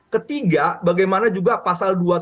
ketiga bagaimana juga pasal dua puluh tujuh